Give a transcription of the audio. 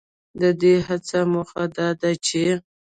ددې هڅو موخه دا ده چې